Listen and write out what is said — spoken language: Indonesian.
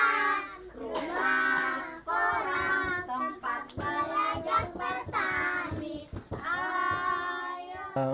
apa itu rumah korang rumah korang tempat belajar petani